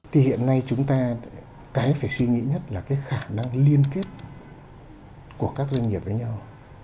thì hiện nay chúng ta cái phải suy nghĩ nhất là cái khả năng liên kết của các doanh nghiệp với nhau